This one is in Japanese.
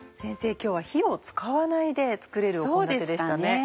今日は火を使わないで作れる献立でしたね。